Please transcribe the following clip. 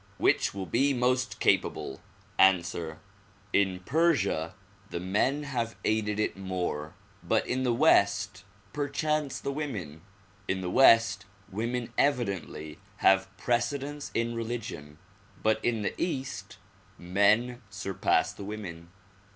Which will be most capable ? Answer: In Persia the men have aided it more but in the west perchance the women. In the west women evidently have precedence in religion but in the east men surpass the women.